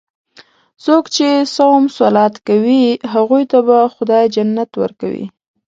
څوک چې صوم صلات کوي، هغوی ته به خدا جنت ورکوي.